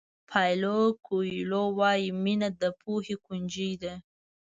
پاویلو کویلو وایي مینه د پوهې کونجۍ ده.